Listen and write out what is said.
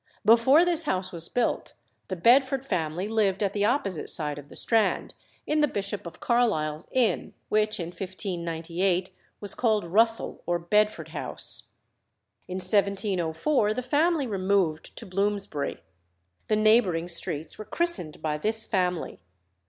Before this house was built the Bedford family lived at the opposite side of the Strand, in the Bishop of Carlisle's inn, which, in 1598, was called Russell or Bedford House. In 1704 the family removed to Bloomsbury. The neighbouring streets were christened by this family.